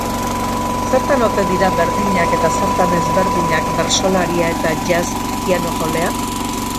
Zertan ote dira berdinak eta zertan ezberdinak bertsolaria eta jazz pianojolea?